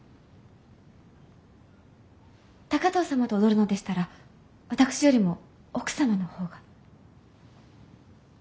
高藤様と踊るのでしたら私よりも奥様の方が。